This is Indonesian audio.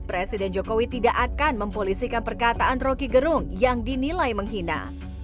presiden jokowi tidak akan mempolisikan perkataan roky gerung yang dinilai menghina